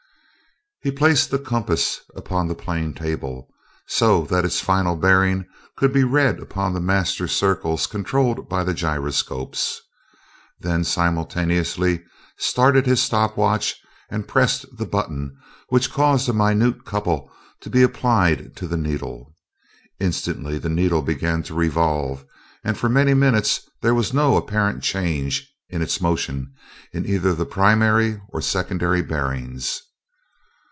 He placed the compass upon the plane table, so that its final bearing could be read upon the master circles controlled by the gyroscopes; then simultaneously started his stop watch and pressed the button which caused a minute couple to be applied to the needle. Instantly the needle began to revolve, and for many minutes there was no apparent change in its motion in either the primary or secondary bearings.